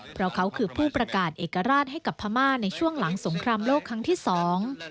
เพราะเขาคือผู้ประกาศเอกราชให้กับพม่าในช่วงหลังสงครามโลกครั้งที่สอง